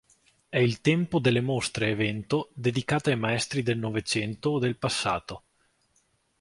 È il tempo delle mostre-evento dedicate ai maestri del Novecento o del passato.